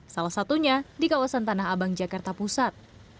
salah satunya di kawasan tanah abang jakarta pusat